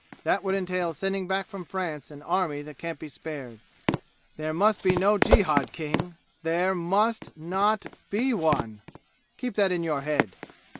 That would entail sending back from France an army that can't be spared. There must be no jihad, King! There must not be one! Keep that in your head!"